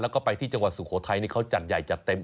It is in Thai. แล้วก็ไปที่จังหวัดสุโขทัยนี่เขาจัดใหญ่จัดเต็ม